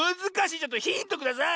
ちょっとヒントください！